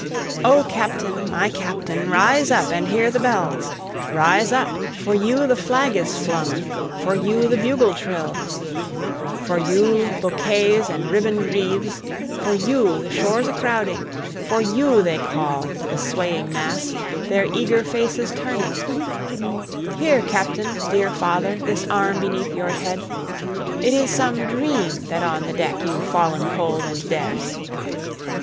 O Captain! my Captain! rise up and hear the bells; Rise up for you the flag is flung for you the bugle trills, For you bouquets and ribboned wreaths for you the shores a crowding, For you they call, the swaying mass, their eager faces turning; Here Captain! dear father! This arm beneath your head! It is some dream that on the deck You've fallen cold and dead.